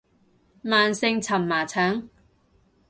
慢性蕁麻疹